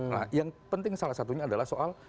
nah yang penting salah satunya adalah soal